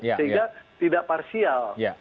sehingga tidak parsial